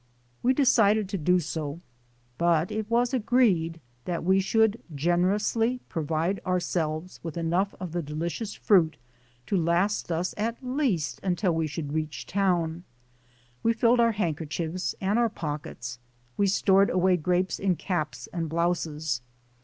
We decided to do so, but it was agreed that we should generously pro vide ourselves with enough of the delicious fruit to last us at least until we should reach town. We filled our handkerchiefs and our pockets ; we stored away grapes in caps and blouses.